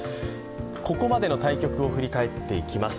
ここまでの対局を振り返っていきます。